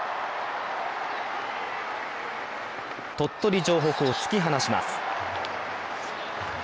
鳥取城北を突き放します。